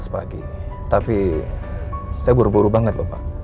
sembilan lima belas pagi tapi saya buru buru banget pak